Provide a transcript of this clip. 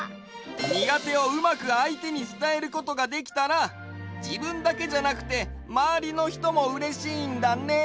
にがてをうまくあいてにつたえることができたらじぶんだけじゃなくてまわりのひともうれしいんだね。